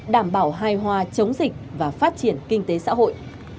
đảm bảo hài hòa chống dịch và phát triển kinh tế xã hội